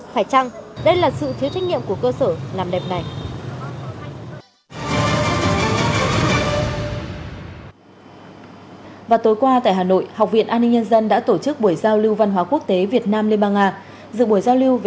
phải chăng đây là sự thiếu trách nhiệm của cơ sở làm đẹp này